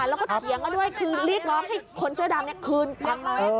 แล้วก็เถียงกันด้วยคือเรียกร้องให้คนเสื้อดำคืนตังค์มา